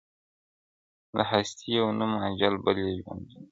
د هستۍ یو نوم اجل بل یې ژوندون -